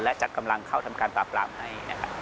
และจัดกำลังเข้าทำการปราบให้